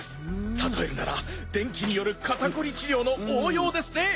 例えるなら電気による肩こり治療の応用ですね。